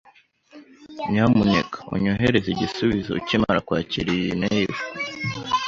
Nyamuneka onyoherereza igisubizo ukimara kwakira iyi mail.